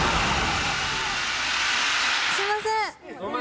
すいません。